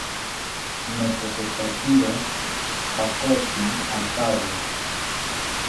Nopothotakiro pankotzi antawo